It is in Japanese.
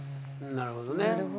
なるほど。